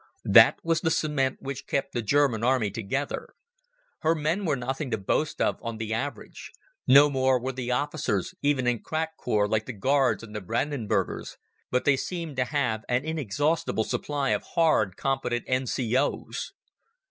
That was the cement which kept the German Army together. Her men were nothing to boast of on the average; no more were the officers, even in crack corps like the Guards and the Brandenburgers; but they seemed to have an inexhaustible supply of hard, competent N.C.O.s.